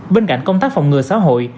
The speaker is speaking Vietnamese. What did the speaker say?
bên cạnh công tác phòng ngừa xã hội